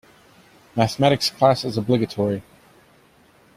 Mathematics class is obligatory.